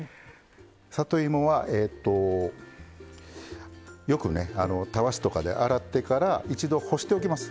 里芋は、よく、たわしとかで洗ってから一度干しておきます。